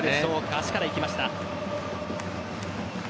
足からいきました。